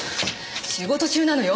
仕事中なのよ。